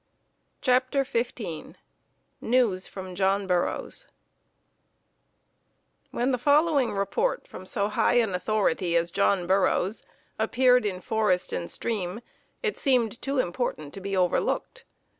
CHAPTER XV News from John Burroughs When the following report from so high an authority as John Burroughs appeared in Forest and Stream it seemed too important to be overlooked.